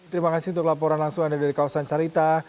terima kasih untuk laporan langsung anda dari kawasan carita